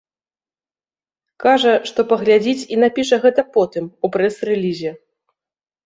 Кажа, што паглядзіць і напіша гэта потым, у прэс-рэлізе.